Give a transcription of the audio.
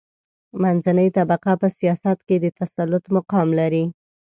منځنۍ طبقه په سیاست کې د تسلط مقام لري.